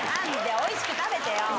おいしく食べてよ！